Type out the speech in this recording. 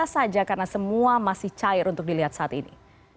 biasa saja karena semua masih cair untuk dilihat saat ini